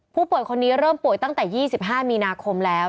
ผู้ป่วยคนนี้เริ่มป่วยตั้งแต่๒๕มีนาคมแล้ว